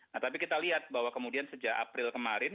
nah tapi kita lihat bahwa kemudian sejak april kemarin